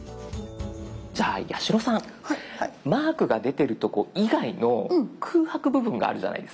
じゃあ八代さんマークが出てるとこ以外の空白部分があるじゃないですか。